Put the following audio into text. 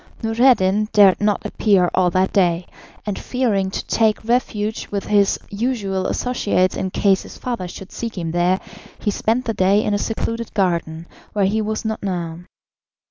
Noureddin dared not appear all that day, and fearing to take refuge with his usual associates in case his father should seek him there, he spent the day in a secluded garden where he was not known.